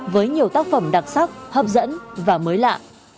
với nhiều tác phẩm đặc sắc hấp dẫn và mới lạ